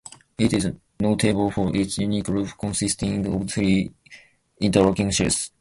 It is notable for its unique roof consisting of three interlocking shells.